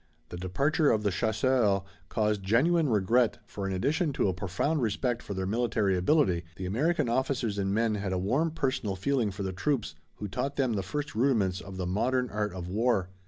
The departure of the chasseurs caused genuine regret, for in addition to a profound respect for their military ability, the American officers and men had a warm personal feeling for the troops who taught them the first rudiments of the modern art of war.